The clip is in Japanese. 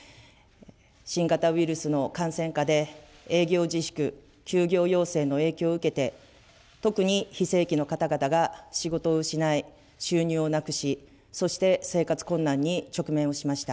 新型ウイルスの感染蚊で、営業自粛、休業要請の影響を受けて、特に非正規の方々が仕事を失い、収入をなくし、そして生活困難に直面をしました。